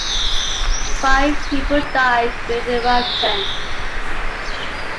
Five people died during the eruption.